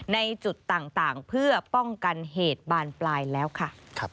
ในจุดต่างเพื่อป้องกันเหตุบานปลายแล้วค่ะ